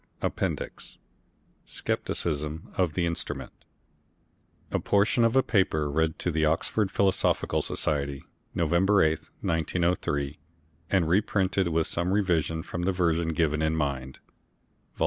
APPENDIX SCEPTICISM OF THE INSTRUMENT A Portion of a Paper read to the Oxford Philosophical Society, November 8, 1903, and reprinted, with some Revision, from the Version given in Mind, vol.